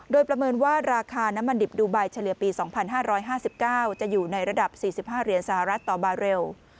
โดยประเมินว่าราคาน้ำมันดิบดูไบเฉลี่ยปี๒๕๕๙จะอยู่ในระดับ๔๕เหรียญสหรัฐต่อบาเรล